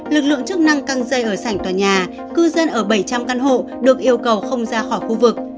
lực lượng chức năng căng dây ở sảnh tòa nhà cư dân ở bảy trăm linh căn hộ được yêu cầu không ra khỏi khu vực